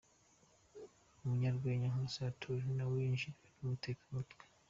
Umunyarwenya Nkusi Arthur nawe yinjiriwe n’umutekamutwe.